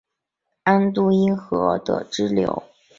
安都因河的支流由北至南分别有格拉顿河。